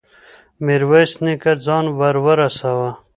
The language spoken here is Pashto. ميرويس نيکه ځان ور ورساوه.